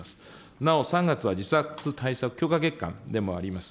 なお３月は自殺対策強化月間でもあります。